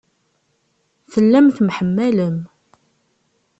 Tellam temḥemmalem.